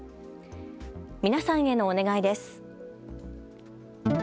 皆さんへのお願いです。